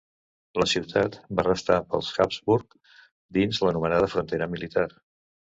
La ciutat va restar pels Habsburg dins l'anomenada Frontera Militar.